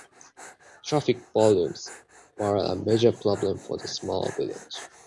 Traffic volumes were a major problem for the small village.